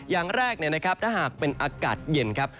อย่างแรกถ้าหากเป็นอากาศเย็นครับ